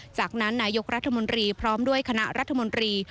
จากนั้นนายกรัฐมนตรีพร้อมด้วยคณะรัฐมนตรี